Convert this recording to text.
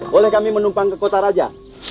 boleh kami menumpang ke kota raja